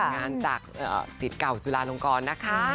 จากสิทธิ์เก่าจุลาลงกรนะคะ